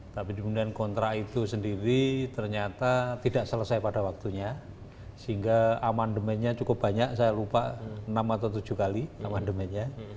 tapi kemudian kontrak itu sendiri ternyata tidak selesai pada waktunya sehingga amandemennya cukup banyak saya lupa enam atau tujuh kali amandemennya